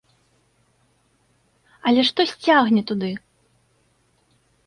Але штось цягне туды!